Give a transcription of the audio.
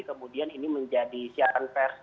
kemudian ini menjadi siaran pers